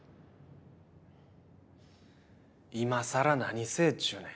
今更何せえちゅうねん。